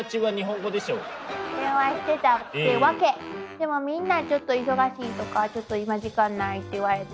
でもみんなちょっと忙しいとかちょっと今時間ないって言われて。